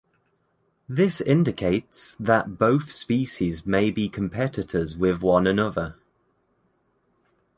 This indicates that both species may be competitors with one another.